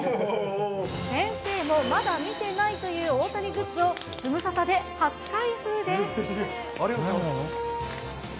先生もまだ見てないという大谷グッズを、ズムサタで初開封です。